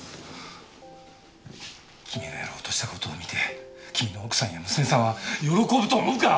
君がやろうとした事を見て君の奥さんや娘さんは喜ぶと思うか！？